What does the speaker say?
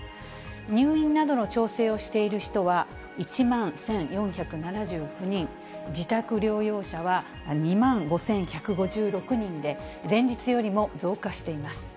入院などの調整をしている人は１万１４７９人、自宅療養者は２万５１５６人で、前日よりも増加しています。